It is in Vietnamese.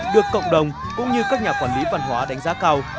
được cộng đồng cũng như các nhà quản lý văn hóa đánh giá cao